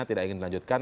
tidak ingin dilanjutkan